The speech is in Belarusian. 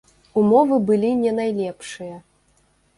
Умовы былі не найлепшыя.